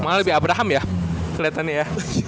malah lebih abraham ya kelihatannya ya